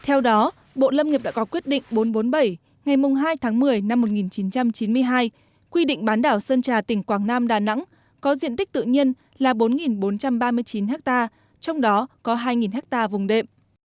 theo đó bộ lâm nghiệp đã có quyết định bốn trăm bốn mươi bảy ngày hai tháng một mươi năm một nghìn chín trăm chín mươi hai quy định bán đảo sơn trà tỉnh quảng nam đà nẵng có diện tích tự nhiên là bốn bốn trăm ba mươi chín ha trong đó có hai ha vùng đệm